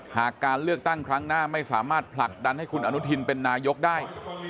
หากการเลือกตั้งครั้งหน้าไม่สามารถผลักดันให้คุณอนุทินเป็นนายกได้